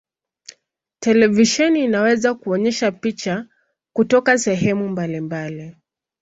Televisheni inaweza kuonyesha picha kutoka sehemu mbalimbali.